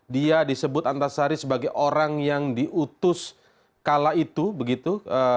dia disebut antasari sebagai orang yang diutus kala itu begitu